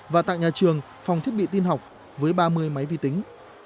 và tặng nhà trường phòng thiết bị tin học với ba mươi máy vi tính